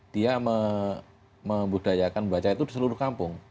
dia membudayakan membaca itu di seluruh kampung